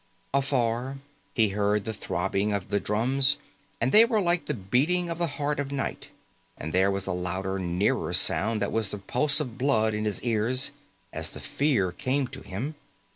Afar, he heard the throbbing of the drums, and they were like the beating of the heart of night, and there was a louder, nearer sound that was the pulse of blood in his ears as the fear came to him.